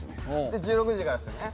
で１６時からですよね。